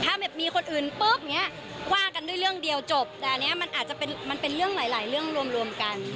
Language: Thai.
ถ้ามีคนอื่นปุ๊บว่ากันด้วยเรื่องเดียวจบแต่อันนี้มันอาจจะเป็นเรื่องหลายเรื่องรวมกัน